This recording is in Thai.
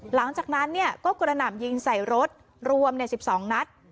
หลังจากนั้นเนี้ยก็กระหน่ำยิงใส่รถรวมเนี้ยสิบสองนัด